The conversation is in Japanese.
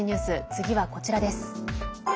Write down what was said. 次はこちらです。